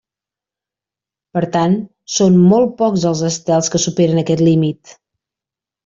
Per tant, són molt pocs els estels que superen aquest límit.